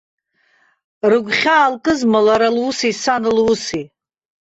Рыгәхьаа лкызма лара луси сан луси.